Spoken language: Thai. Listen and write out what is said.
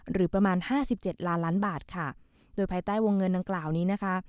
หรือประมาณ๕๗ล้านล้านบาทค่ะโดยภายใต้วงเงินนางกล่าวนี้นะคะ